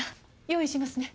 用意しますね。